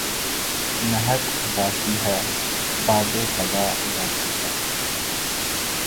مہک اُداسی ہے، باد ِ صبا اُداسی ہے